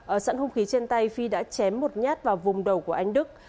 ở sẵn hông khí trên tay phi đã chém một nhát vào vùng đầu của anh đức